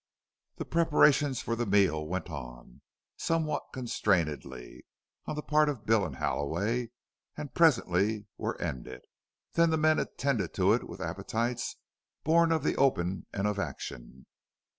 The preparations for the meal went on, somewhat constrainedly on the part of Bill and Halloway, and presently were ended. Then the men attended to it with appetites born of the open and of action.